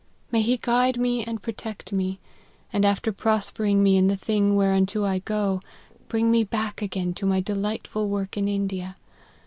May he guide me and protect me, and after prospering me in the thing whereunto I go, bring me back again to my delightful work in India.